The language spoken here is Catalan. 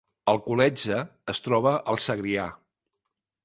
Alcoletge es troba al Segrià